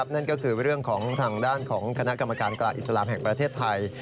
นั่นก็คือเรื่องของทางด้านของคณะกรรมการกลางอิสลามแห่งประเทศไทย